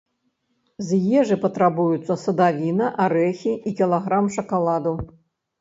З ежы патрабуюцца садавіна, арэхі і кілаграм шакаладу.